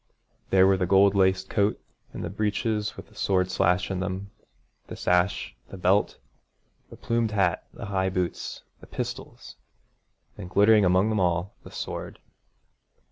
There were the gold laced coat and the breeches with the sword slash in them, the sash, the belt, the plumed hat, the high boots, the pistols, and glittering among them all, the sword.